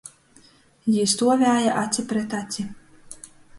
Jī stuovēja aci pret aci.